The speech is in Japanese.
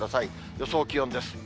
予想気温です。